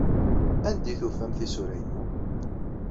Anda ay tufam tisura-inu?